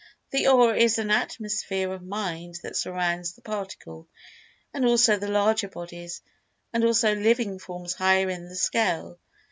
The Aura is an Atmosphere of Mind that surrounds the Particle—and also the larger bodies—and also living forms higher in the scale.